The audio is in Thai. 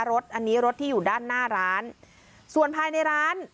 รถอันนี้รถที่อยู่ด้านหน้าร้านส่วนภายในร้าน